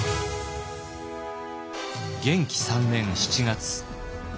元亀３年７月。